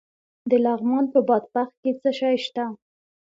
د لغمان په بادپخ کې څه شی شته؟